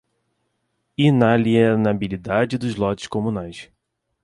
inalienabilidade dos lotes comunais